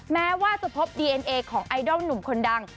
แม้ว่าจะพบดีเอ็นเอของไอดอลหนุ่มคนดัง